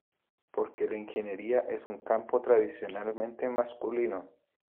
Porque la ingeniería es un campo tradicionalmente masculino.